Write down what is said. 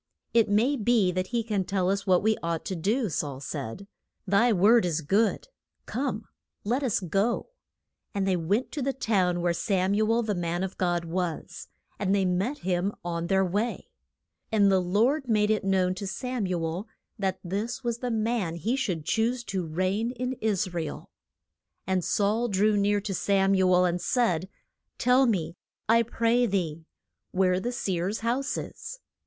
It may be that he can tell us what we ought to do Saul said, Thy word is good; come, let us go. And they went to the town where Sam u el, the man of God, was. And they met him on their way. And the Lord made it known to Sam u el that this was the man he should choose to reign in Is ra el. And Saul drew near to Sam u el, and said, Tell me, I pray thee, where the seer's house is.